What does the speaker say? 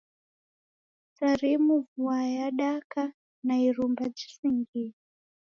Sarimu vua yadaka na irumba jisingie.